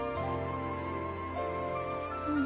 うん。